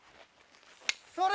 それ。